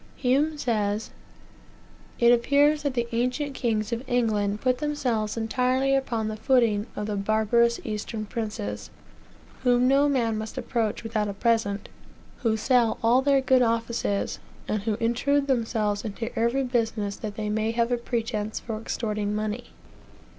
Hume says: "It appears that the ancient kings of England put themselves entirely upon the footing of the barbarous Eastern princes, whom no man must approach without a present, who sell all their good offices, and who intrude themselves into every business that they may have a pretence for extorting money.